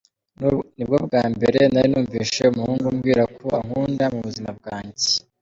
Ni bwo bwa mbere nari numvise umuhungu umbwira ko ankunda mu buzima bwanjye.